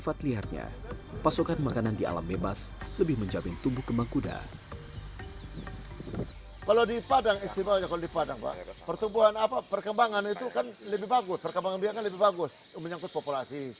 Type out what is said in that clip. bisa sebagai belis bisa jadi daging yang dikonsumsi bisa alat transportasi